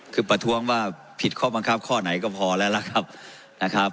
คือประท้วงว่าผิดข้อบังคับข้อไหนก็พอแล้วล่ะครับนะครับ